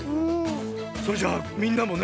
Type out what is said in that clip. それじゃあみんなもね